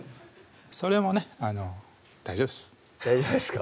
それもね大丈夫です大丈夫ですか？